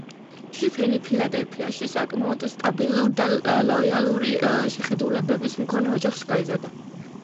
შიფენი ფილადელფიაში, საკმაოდ სტაბილურ და ლოიალური შეხედულებების მქონე ოჯახში გაიზარდა.